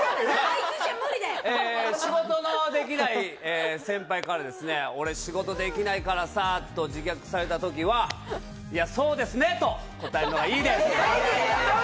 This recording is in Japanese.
仕事のできない先輩から俺、仕事できないからさと自虐されたときはそうですねと答えるのがいいです！